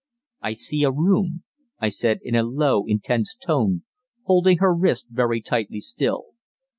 "I see a room," I said in a low, intense tone, holding her wrist very tightly still.